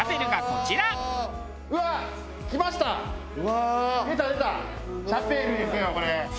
これ。